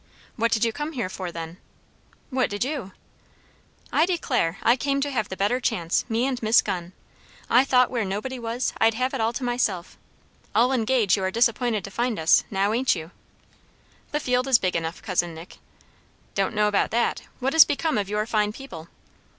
"What did you come here for, then?" "What did you?" "I declare! I came to have the better chance, me and Miss Gunn; I thought where nobody was, I'd have it all to myself. I'll engage you are disappointed to find us now, ain't you?" "The field is big enough, cousin Nick." "Don't know about that. What is become of your fine people?"